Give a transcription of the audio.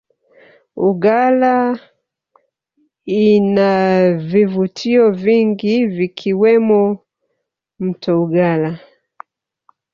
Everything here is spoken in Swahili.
uggala inavivutio vingi vikiwemo mto ugalla